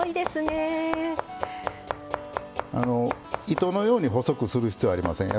糸のように細くする必要ありません。